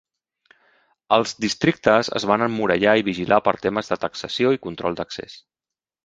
Els districtes es van emmurallar i vigilar per temes de taxació i control d"accés.